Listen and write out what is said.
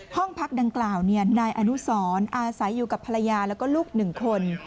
ห้องพักดังกล่าวนายอนุสรอาศัยอยู่กับภรรยาแล้วก็ลูก๑คน